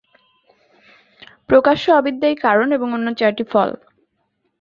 অবশ্য অবিদ্যাই কারণ এবং অন্য চারটি ফল।